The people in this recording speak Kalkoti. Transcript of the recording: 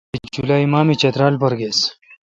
بہ جولالی ماہ می چترال پر گیس۔